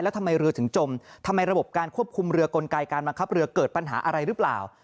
แล้วทำไมเรือถึงจมทำไมระบบการควบคุมเรือกลไกการบังคับเรือเกิดปัญหาอะไรหรือเปล่า